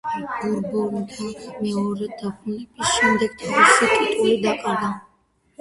ბურბონთა მეორედ დაბრუნების შემდეგ თავისი ტიტული დაკარგა.